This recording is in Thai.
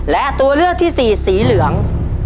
และตัวเลือกที่สี่สีเหลือง